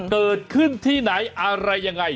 เกิดขึ้นที่ไหนอะไรยังไง